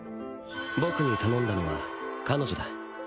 僕に頼んだのは彼女だ。